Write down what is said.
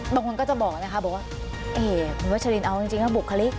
บางคนก็จะบอกนะคะบอกว่าเอ่ยคุณวัชลินเอาจริงจริงว่าบุคลิก